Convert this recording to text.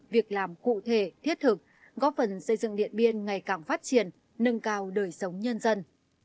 việc làm cụ thể thiết thực góp phần xây dựng điện biên ngày càng phát triển nâng cao đời sống nhân dân